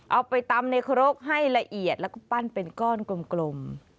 เอาไปตำในครกให้ละเอียดแล้วก็ปั้นเป็นก้อนกลม